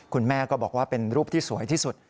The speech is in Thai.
คุณแม่ก็บอกว่าเป็นรูปที่สวยที่สุด